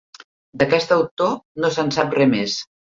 D'aquest autor no se'n sap res més.